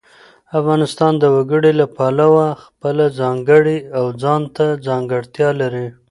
افغانستان د وګړي له پلوه خپله ځانګړې او ځانته ځانګړتیا لري.